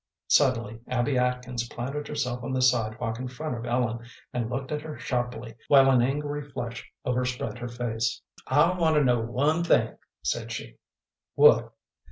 Suddenly Abby Atkins planted herself on the sidewalk in front of Ellen, and looked at her sharply, while an angry flush overspread her face. "I want to know one thing," said she. "What?"